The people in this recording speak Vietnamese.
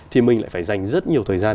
thì mình lại phải dành rất nhiều thời gian